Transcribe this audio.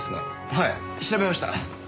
はい調べました。